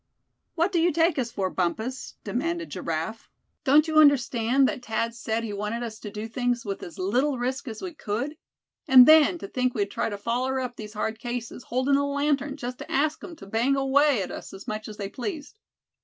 "What do you take us for, Bumpus?" demanded Giraffe. "Don't you understand that Thad said he wanted us to do things with as little risk as we could? And then, to think we'd try to foller up these hard cases, holdin' a lantern, just to ask 'em to bang away at us as much as they pleased.